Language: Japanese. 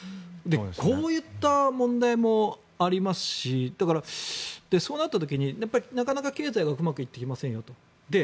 こういった問題もありますしだから、そうなった時になかなか経済がうまくいっていませんよと。